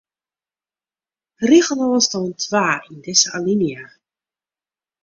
Rigelôfstân twa yn dizze alinea.